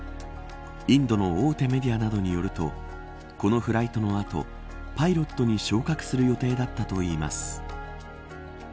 インドの大手メディアなどによるとこのフライトの後パイロットに昇格する予定だったといいます。